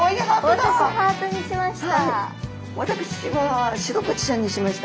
私ハートにしました。